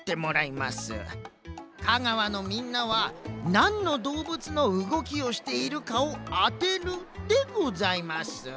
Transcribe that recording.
香川のみんなはなんのどうぶつのうごきをしているかをあてるでございます。